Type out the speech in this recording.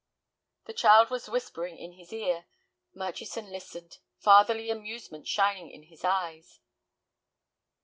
The child was whispering in his ear. Murchison listened, fatherly amusement shining in his eyes.